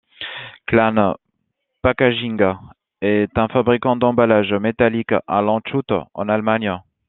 Klann Packaging est un fabricant d'emballages métalliques à Landshut, en Allemagne.